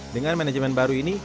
dengan manajemen baru ini